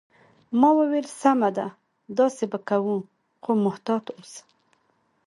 ما وویل: سمه ده، داسې به کوو، خو محتاط اوسه.